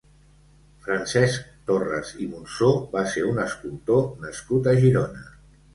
Francesc Torres i Monsó va ser un escultor nascut a Girona.